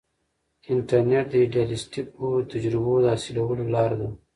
انټرنیټ د ایډیالیسټیکو تجربو د حاصلولو لار ده.